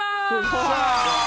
よっしゃ。